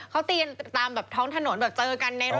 เขาตีกันตามแบบท้องถนนแบบเจอกันในรถ